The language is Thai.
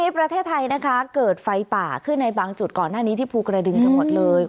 ประเทศไทยนะคะเกิดไฟป่าขึ้นในบางจุดก่อนหน้านี้ที่ภูกระดึงจังหวัดเลย